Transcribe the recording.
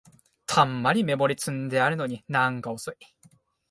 たんまりメモリ積んでるのになんか遅い